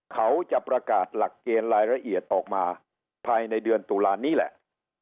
เขาจะประกาศหลักเกณฑ์รายละเอียดออกมาภายในเดือนตุลานี้แหละ